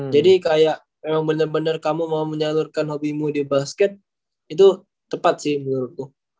jadi kayak emang bener bener kamu mau menyalurkan hobimu di basket itu tepat sih menurut gue